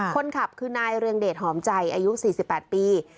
คนขับคือนายเรืองเดชหอมใจอายุ๔๘ปี